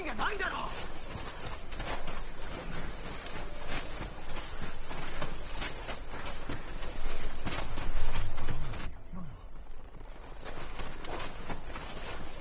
もう感情にこだわるのはやめろよ。